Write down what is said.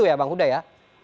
ya bang huda ya